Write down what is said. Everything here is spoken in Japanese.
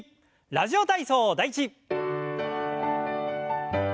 「ラジオ体操第１」。